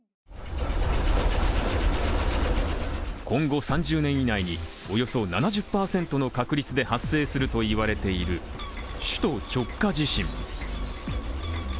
今後３０年以内におよそ７０％の確率で発生するといわれている首都直下地震。